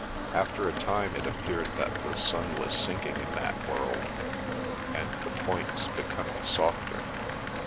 After a time it appeared that the sun was sinking in that world, and the points becoming softer.